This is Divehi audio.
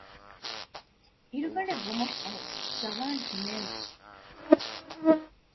އިރުގަޑެއް ވުމަށްފަހު ޖަލާން ހިމޭން ވި